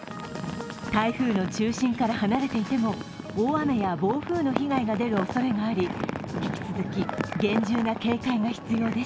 台風の中心から離れていても大雨や暴風の被害が出るおそれがあり引き続き厳重な警戒が必要です。